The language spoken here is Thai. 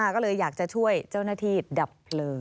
ก็เลยอยากจะช่วยเจ้าหน้าที่ดับเพลิง